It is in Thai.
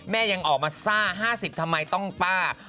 ยังออกมาซ่า๕๐ทำไมต้องป้า